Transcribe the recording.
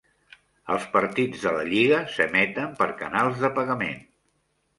Els partits de la Lliga s'emeten per canals de pagament.